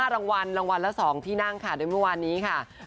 รางวัลรางวัลละ๒ที่นั่งค่ะโดยเมื่อวานนี้ค่ะ